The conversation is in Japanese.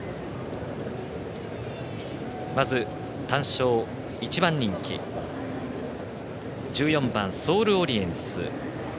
まず、単勝１番人気１４番、ソールオリエンス。